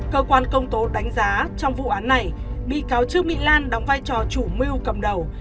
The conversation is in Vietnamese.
cơ quan công tố đánh giá trong vụ án này bị cáo trương mỹ lan đóng vai trò chủ mưu cầm đầu